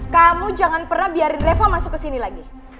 kamu jangan pernah biarin reva masuk ke sini lagi